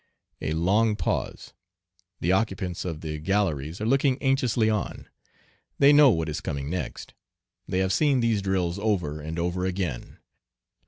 A long pause. The occupants of the galleries are looking anxiously on. They know what is coming next. They have seen these drills over and over again.